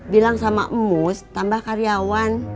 bilang sama emus tambah karyawan